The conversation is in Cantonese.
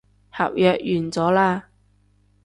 合約完咗喇